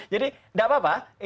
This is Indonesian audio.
jadi tidak apa apa